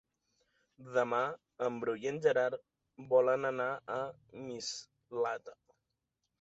Demà en Bru i en Gerard volen anar a Mislata.